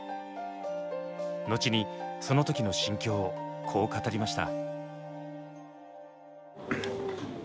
後にその時の心境をこう語りました。